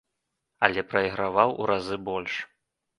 Але прайграваў у разы больш.